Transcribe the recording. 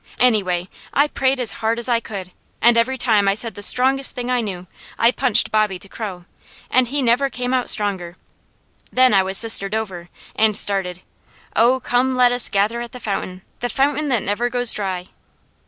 Anyway, I prayed as hard as I could, and every time I said the strongest thing I knew, I punched Bobby to crow, and he never came out stronger. Then I was Sister Dover and started: "Oh come let us gather at the fountain, the fountain that never goes dry."